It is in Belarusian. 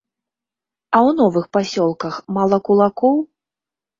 А ў новых пасёлках мала кулакоў?